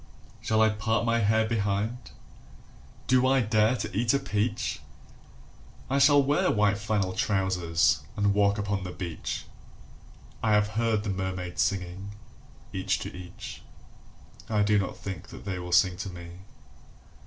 Shall I part my hair behind? Do I dare to eat a peach? I shall wear white flannel trousers, and walk upon the beach. I have heard the mermaids singing, each to each. I do not think they will sing to me.